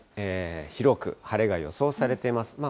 広く晴れが予想されています。